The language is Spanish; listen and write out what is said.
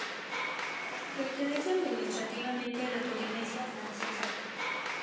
Pertenece administrativamente a la Polinesia Francesa.